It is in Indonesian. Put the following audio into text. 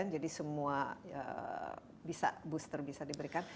jadi semua booster bisa diberikan